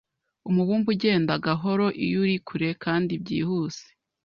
Umubumbe ugenda gahoro iyo uri kure kandi byihuse